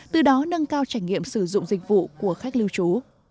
từ đó nâng cao trải nghiệm sử dụng dịch vụ của khách lưu trú